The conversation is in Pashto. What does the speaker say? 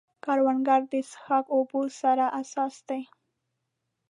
کروندګر له څښاک اوبو سره حساس دی